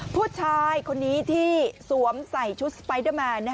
ผู้ชายคนนี้ที่สวมใส่ชุดสไปเดอร์แมน